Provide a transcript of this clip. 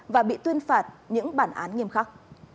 và bị tuyên phạt những bản án nghiêm khắc